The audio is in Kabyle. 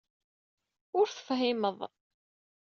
Ur tefhimeḍ.